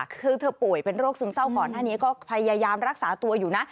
คือเธอป่วยเป็นโรคซึมเศร้าก่อนหน้านี้ก็พยายามรักษาตัวอยู่นะ